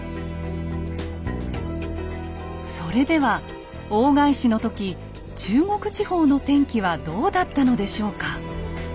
それでは大返しの時中国地方の天気はどうだったのでしょうか。